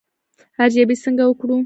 ارزیابي څنګه وکړو؟